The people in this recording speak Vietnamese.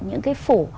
những cái phủ